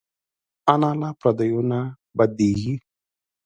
انا له پردیو نه بدېږي